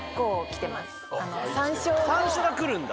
山椒がくるんだ。